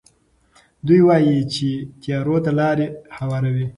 دوی وايي چې تیارو ته لارې هواروي.